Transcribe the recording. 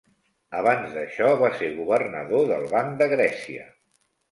Abans d'això, va ser governador del Banc de Grècia.